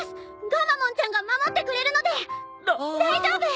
ガンマモンちゃんが守ってくれるので大丈夫！